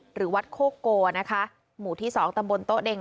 หรือวัดโคโกนะคะหมู่ที่๒ตำบลโต๊ะเด็ง